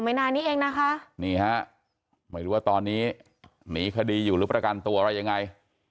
นานนี้เองนะคะนี่ฮะไม่รู้ว่าตอนนี้หนีคดีอยู่หรือประกันตัวอะไรยังไง